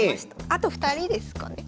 あと２人ですかね。